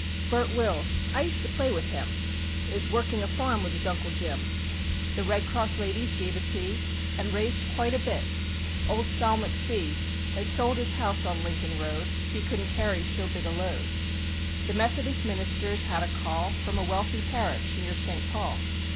Bert Wills I used to play with him Is working a farm with his Uncle Jim. The Red Cross ladies gave a tea, And raised quite a bit. Old Sol MacPhee Has sold his house on Lincoln Road He couldnŌĆÖt carry so big a load. The methodist ministerŌĆÖs had a call From a wealthy parish near St. Paul.